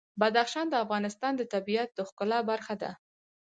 بدخشان د افغانستان د طبیعت د ښکلا برخه ده.